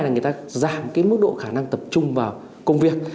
giảm cái mức độ khả năng tập trung vào công việc